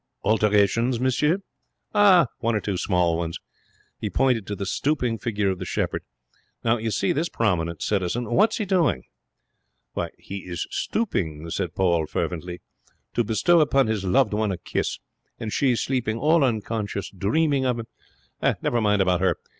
'Alterations, monsieur?' 'One or two small ones.' He pointed to the stooping figure of the shepherd. 'Now, you see this prominent citizen. What's he doing!' 'He is stooping,' said Paul, fervently, 'to bestow upon his loved one a kiss. And she, sleeping, all unconscious, dreaming of him ' 'Never mind about her.